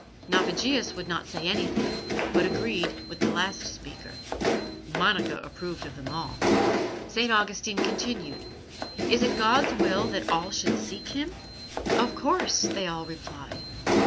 Navigius would not say anything, but agreed with the last speaker. Monica approved of them all. St. Augustine continued: "It is God's will that all should seek Him?" "Of course," they all replied.